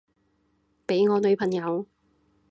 畀我女朋友